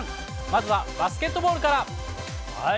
まずはバスケットボールから。